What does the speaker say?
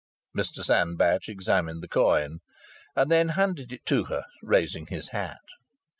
Mr Sandbach examined the coin, and then handed it to her, raising his hat.